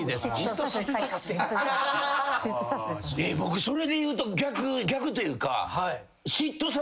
僕それでいうと逆逆というか。